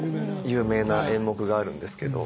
有名な演目があるんですけど。